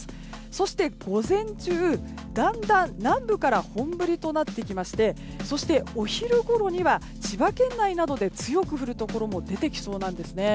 そして午前中、だんだん南部から本降りとなってきましてお昼ごろには千葉県内などで強く降るところも出てきそうなんですね。